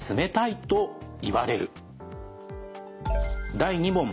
第２問。